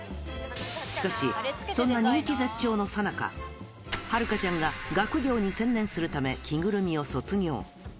しかし、そんな人気絶頂のさなか、ハルカちゃんが学業に専念するためキグルミを卒業。